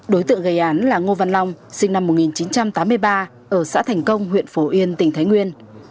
đối tượng gây án là ngô văn long sinh năm một nghìn chín trăm tám mươi ba ở xã thành công huyện phổ yên tỉnh thái nguyên